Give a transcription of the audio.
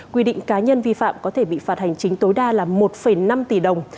quy định cá nhân vi phạm có thể bị phạt hành chính tối đa là một năm tỷ đồng